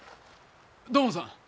土門さん！